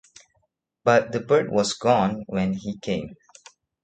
But the bird was gone when he came.